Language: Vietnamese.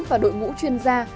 và đội ngũ chuyên gia